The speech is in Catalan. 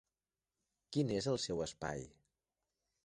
Quin és el seu espai?